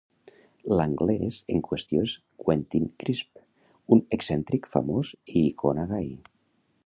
L'"anglès" en qüestió és Quentin Crisp, un excèntric famós i icona gai.